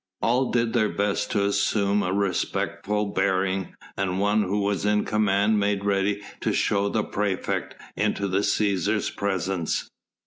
All did their best to assume a respectful bearing, and one who was in command made ready to show the praefect into the Cæsar's presence.